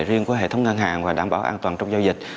riêng của hệ thống ngân hàng và đảm bảo an toàn trong giao dịch